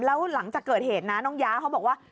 แล้วหลังจากเกิดเหตุนะน้องย้าเขาบอกว่า